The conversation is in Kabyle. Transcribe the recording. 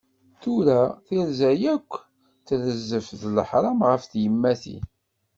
Tura tirza akk d trezzaf d leḥram ɣef tyemmatin.